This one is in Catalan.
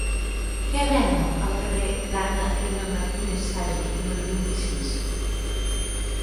Què venen al carrer d'Anna M. Martínez Sagi número vint-i-sis?